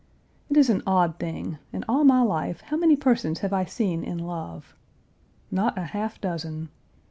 It is an odd thing; in all my life how many persons have I seen in love? Not a half dozen.